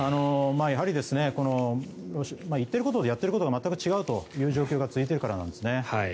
やはり言ってることとやってることが全く違うという状況が続いているからなんですね。